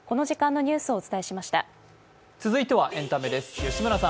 続いてはエンタメです。